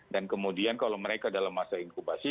dan kemudian kalau mereka dalam masa inkubasi